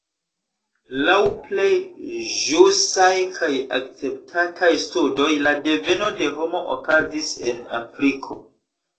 Laŭ plej ĵusaj kaj akceptataj studoj la deveno de homo okazis en Afriko.